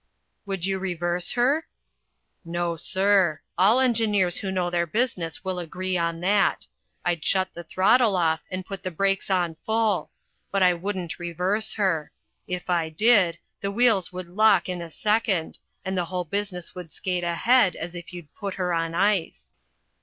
"Would you reverse her?" "No, sir. All engineers who know their business will agree on that. I'd shut the throttle off, and put the brakes on full. But I wouldn't reverse her. If I did, the wheels would lock in a second, and the whole business would skate ahead as if you'd put her on ice."